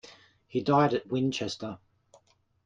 He died at Winchester.